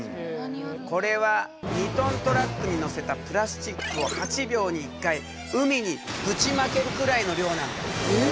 これは２トントラックに載せたプラスチックを８秒に１回海にぶちまけるくらいの量なんだ。え！